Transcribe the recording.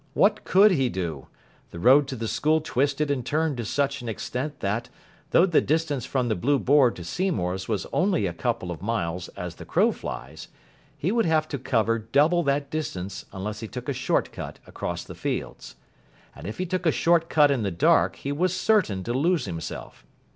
What could he do? The road to the school twisted and turned to such an extent that, though the distance from the "Blue Boar" to Seymour's was only a couple of miles as the crow flies, he would have to cover double that distance unless he took a short cut across the fields. And if he took a short cut in the dark he was certain to lose himself.